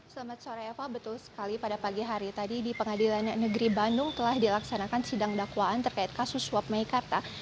selamat sore eva betul sekali pada pagi hari tadi di pengadilan negeri bandung telah dilaksanakan sidang dakwaan terkait kasus suap meikarta